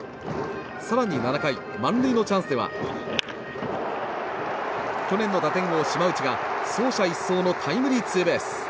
更に７回、満塁のチャンスでは去年の打点王、島内が走者一掃のタイムリーツーベース。